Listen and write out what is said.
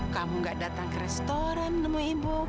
kamu gak datang ke restoran nemu ibu